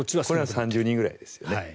これが３０人ぐらいですよね。